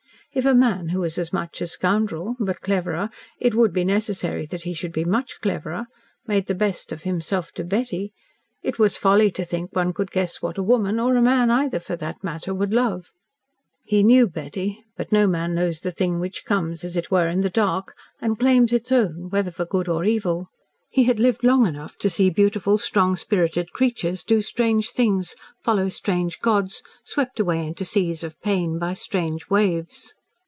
If a man who was as much a scoundrel, but cleverer it would be necessary that he should be much cleverer made the best of himself to Betty ! It was folly to think one could guess what a woman or a man, either, for that matter would love. He knew Betty, but no man knows the thing which comes, as it were, in the dark and claims its own whether for good or evil. He had lived long enough to see beautiful, strong spirited creatures do strange things, follow strange gods, swept away into seas of pain by strange waves.